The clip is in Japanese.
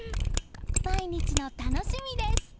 毎日の楽しみです。